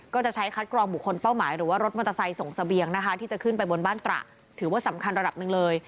ก็จะใช้คัดกรองบุคคลเป้าหมายหรือว่ารถมอเตอร์ไซค์ส่งเสบียงนะคะที่จะขึ้นไปบนบ้านตระถือว่าสำคัญระดับหนึ่งเลย